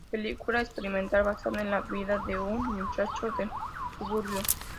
Película experimental, basada en la vida de un muchacho del suburbio.